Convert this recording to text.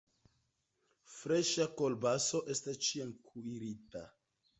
Freŝa kolbaso estas ĉiam kuirita.